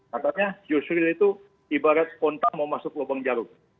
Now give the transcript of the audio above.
katanya yusril itu ibarat kontak mau masuk lubang jaruk